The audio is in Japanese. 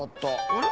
あれ？